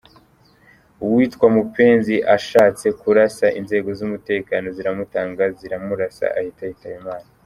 Uwitwa Mupenzi ashatse kurasa inzego z’umutekano ziramutanga ziramurasa ahita yitaba Imana.